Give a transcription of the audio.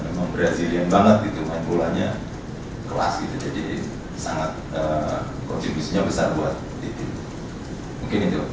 memperhasilkan banget itu main bolanya kelas jadi sangat kontribusinya besar buat mungkin itu